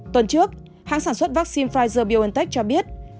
tuần trước hãng sản xuất vaccine pfizer biontech cho biết